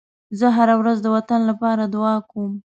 زه هره ورځ د وطن لپاره دعا کوم.